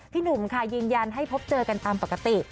หนุ่มค่ะยืนยันให้พบเจอกันตามปกติ